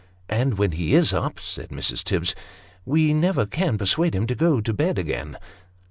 " And when he is up," said Mrs. Tibbs, " we never can persuade him to go to bed again."